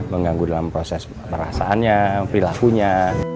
mengganggu dalam proses perasaannya perilakunya